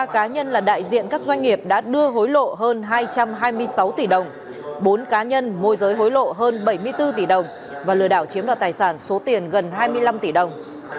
ba cá nhân là đại diện các doanh nghiệp đã đưa hối lộ hơn hai trăm hai mươi sáu tỷ đồng bốn cá nhân môi giới hối lộ hơn bảy mươi bốn tỷ đồng và lừa đảo chiếm đoạt tài sản số tiền gần hai mươi năm tỷ đồng